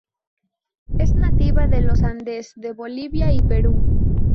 Es nativa de los Andes de Bolivia y Perú.